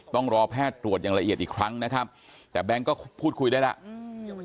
ต้องรอแพทย์ตรวจอย่างละเอียดอีกครั้งนะครับแต่แบงค์ก็พูดคุยได้แล้วอืม